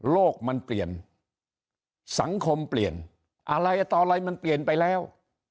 โลกมันเปลี่ยนสังคมเปลี่ยนอะไรต่ออะไรมันเปลี่ยนไปแล้ว